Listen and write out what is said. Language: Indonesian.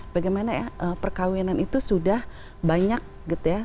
bagaimana ya perkawinan itu sudah banyak gitu ya